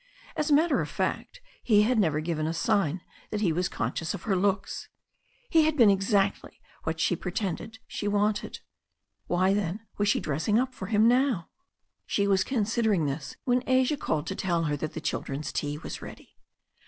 As a matter of fact, he had never given a sign that he was conscious of her looks. He had been exactly what she pre^ tended she wanted. Then why was she dressing up for him now? 142 THE STORY OF A NEW ZEALAND RIVER She was considering this when Asia called to tell her that the children's tea was ready.